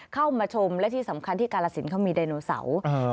เข้ามาชมและที่สำคัญที่กาลสินเขามีไดโนเสาร์